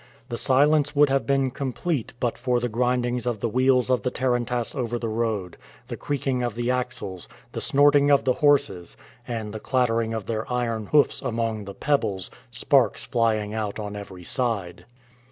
The silence would have been complete but for the grindings of the wheels of the tarantass over the road, the creaking of the axles, the snorting of the horses, and the clattering of their iron hoofs among the pebbles, sparks flying out on every side.